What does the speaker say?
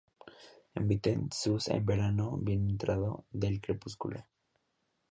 Emiten sus en verano, bien entrado el crepúsculo.